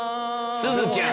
すずちゃん。